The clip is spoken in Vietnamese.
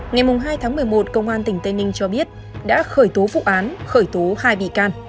ngày hai tháng một mươi một công an tỉnh tây ninh cho biết đã khởi tố vụ án khởi tố hai bị can